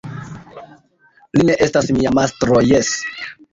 Li ne estas mia mastro, jes!